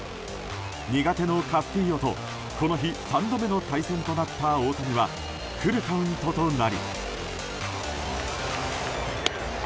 苦手のカスティーヨとこの日、３度目の対戦となった大谷はフルカウントとなり。